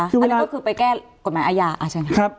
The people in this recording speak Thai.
อันนี้ก็คือไปแก้กฎหมายอาญาอ่ะใช่ไหมครับ